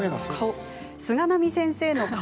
菅波先生の顔